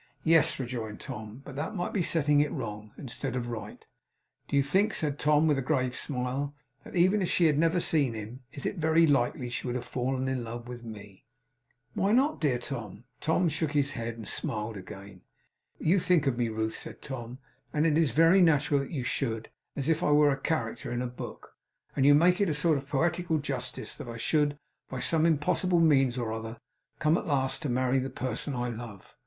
'Yes,' rejoined Tom, 'but that might be setting it wrong, instead of right. Do you think,' said Tom, with a grave smile, 'that even if she had never seen him, it is very likely she would have fallen in love with Me?' 'Why not, dear Tom?' Tom shook his head, and smiled again. 'You think of me, Ruth,' said Tom, 'and it is very natural that you should, as if I were a character in a book; and you make it a sort of poetical justice that I should, by some impossible means or other, come, at last, to marry the person I love.